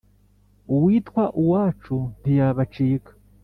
Uwitwa uwacu ntiyabacika